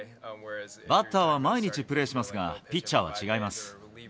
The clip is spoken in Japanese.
バッターは毎日プレーしますが、ピッチャーは違います。